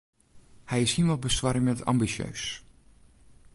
Hy is himelbestoarmjend ambisjeus.